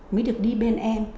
mới được đi bên em